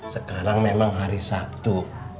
sekarang memang hari sabtu